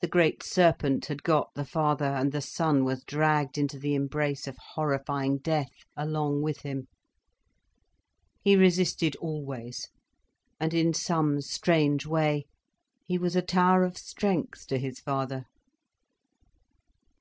The great serpent had got the father, and the son was dragged into the embrace of horrifying death along with him. He resisted always. And in some strange way, he was a tower of strength to his father.